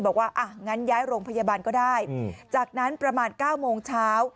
บอกว่าอ่ะงั้นย้ายโรงพยาบาลก็ได้จากนั้นประมาณ๙โมงเช้า